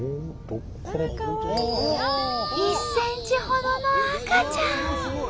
１ｃｍほどの赤ちゃん！